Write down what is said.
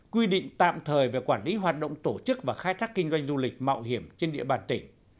quy định tạm thời về quản lý hoạt động tổ chức và khai thác kinh doanh du lịch mạo hiểm trên địa bàn tỉnh